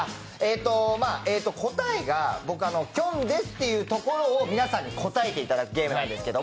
答えが僕、「きょんです」っていうところを皆さんに答えていただくゲームなんです。